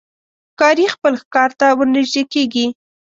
ښکاري خپل ښکار ته ورنژدې کېږي.